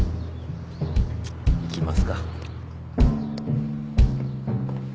行きますか。